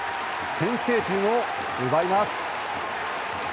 先制点を奪います。